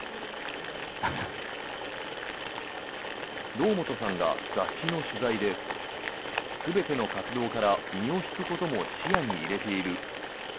堂本さんが雑誌の取材で全ての活動から身を引くことも視野に入れていると